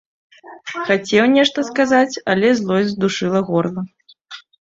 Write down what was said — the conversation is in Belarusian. Хацеў нешта сказаць, але злосць здушыла горла.